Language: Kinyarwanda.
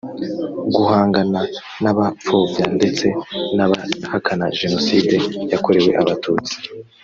guhangana n abapfobya ndetse n abahakana jenoside yakorewe abatutsi